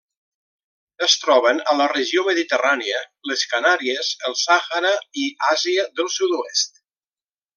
Es troben a la regió mediterrània, les Canàries, el Sàhara i Àsia dels sud-oest.